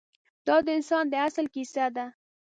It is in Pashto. دا د انسان د اصل کیسه ده.